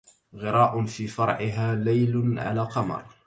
غراء في فرعها ليل على قمر